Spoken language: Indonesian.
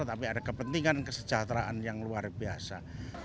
tapi ada kepentingan kesejahteraan yang luar biasa